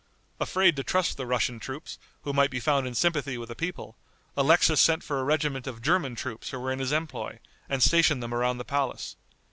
Afraid to trust the Russian troops, who might be found in sympathy with the people, Alexis sent for a regiment of German troops who were in his employ, and stationed them around the palace.